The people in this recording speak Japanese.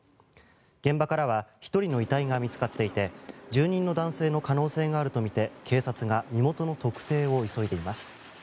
現場からは１人の遺体が見つかっていて住人の男性の可能性があるとみて警察が身元の特定を急いでいます。